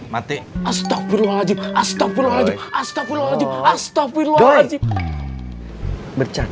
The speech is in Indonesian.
malah memang abangus kan